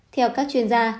theo các chuyên gia